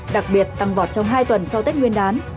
đặc biệt tăng vọt trong hai tuần sau tết nguyên đán